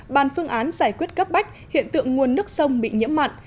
bàn phương án giải quyết cấp bách hiện tượng nguồn nước sông bị nhiễm mặn